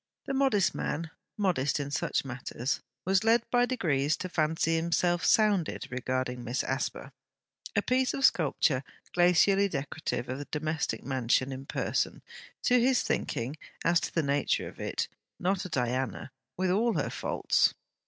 The modest man (modest in such matters) was led by degrees to fancy himself sounded regarding Miss Asper: a piece of sculpture glacially decorative of the domestic mansion in person, to his thinking; and as to the nature of it not a Diana, with all her faults!